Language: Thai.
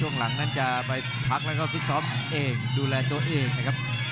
หลังนั้นจะไปพักแล้วก็ฟิตซ้อมเองดูแลตัวเองนะครับ